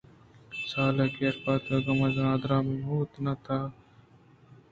سالے ءَ گیش بیت اگاں من نادُرٛاہ مہ بوتیناں ءُتحت ءِ سر مہ کپتین اِتاں گڑا اے ڈولیں شومیں کار نہ بوتگ اَت